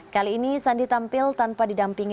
kali ini sandi tampil tanpa didampingi